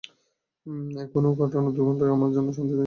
এখানে কাটানো দু ঘন্টাই আমার জন্য শান্তিদায়ক ছিল।